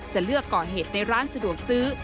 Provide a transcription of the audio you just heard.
จะเลือกก่อเหตุในร้านสะดวกซื้อ